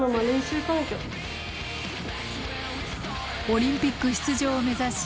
オリンピック出場を目指し